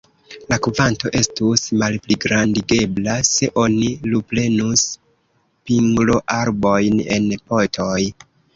La kvanto estus malpligrandigebla, se oni luprenus pingloarbojn en potoj.